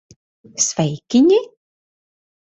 Sveikiņi!